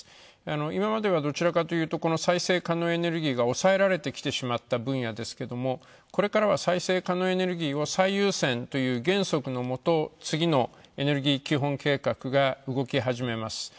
今まではどちらかというと再生可能エネルギーが抑えられてきてしまった分野ですけどもこれからは、再生可能エネルギーを最優先という原則のもと次のエネルギー基本計画が動き始めます。